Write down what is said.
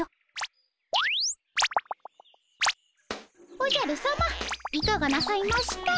おじゃるさまいかがなさいました？